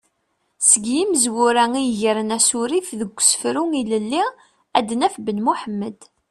Seg yimezwura i yegren asurif deg usefru ilelli ad naf Ben Muḥemmed.